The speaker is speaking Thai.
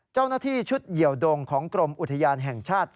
เจ้าหน้าที่ชุดเหี่ยวดงของกรมอุทยานแห่งชาติ